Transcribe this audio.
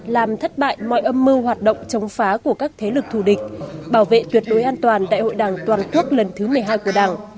làm thất bại mọi âm mưu hoạt động chống phá của các thế lực thù địch bảo vệ tuyệt đối an toàn đại hội đảng toàn quốc lần thứ một mươi hai của đảng